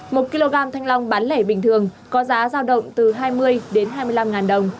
một kg thanh long bán lẻ bình thường có giá giao động từ hai mươi đến hai mươi năm ngàn đồng